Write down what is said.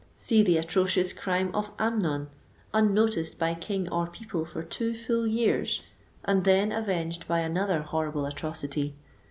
See the atrocious crime of Amnon, unnoticed by king or people for two full years, and then avenged by another horrible atrocity.